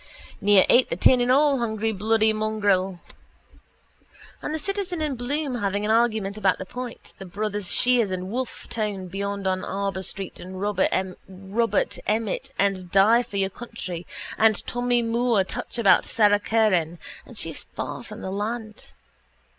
Near ate the tin and all, hungry bloody mongrel. And the citizen and Bloom having an argument about the point, the brothers Sheares and Wolfe Tone beyond on Arbour Hill and Robert Emmet and die for your country, the Tommy Moore touch about Sara Curran and she's far from the land.